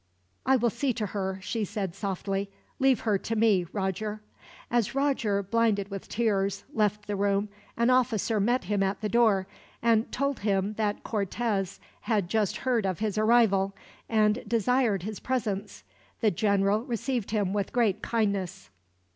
"I will see to her," she said, softly. "Leave her to me, Roger." As Roger, blinded with tears, left the room, an officer met him at the door, and told him that Cortez had just heard of his arrival, and desired his presence. The general received him with great kindness.